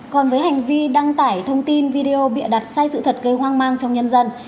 còn với hành vi đăng tải thông tin video bịa đặt sai sự thật gây hoang mang trong nhân dân